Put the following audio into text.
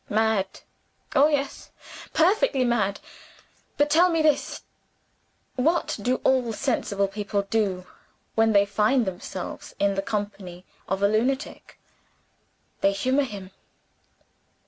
Mad? Oh, yes perfectly mad. But, tell me this: What do all sensible people do when they find themselves in the company of a lunatic? They humor him.